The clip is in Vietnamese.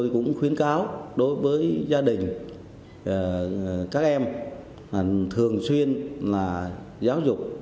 các em thường xuyên là giáo dục